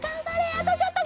あとちょっと。